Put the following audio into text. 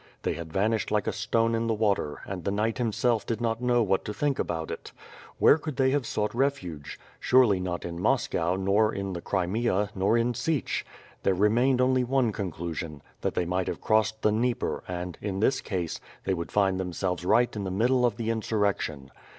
They had vanished like a stone in the water, and the knight him self did not know what to think about it. Where could they have sought refuge? Surely not in Moscow nor in the Crimea nor in Sich! There remained only one conclusion, that they might have crossed the Dnieper and, in this case, they would find themselves right in the midst of the insurrection.